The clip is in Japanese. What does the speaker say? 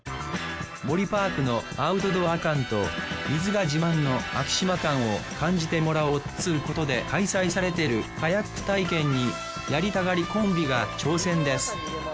モリパークのアウトドア感と水が自慢の昭島感を感じてもらおうっつうことで開催されてるカヤック体験にやりたがりコンビが挑戦です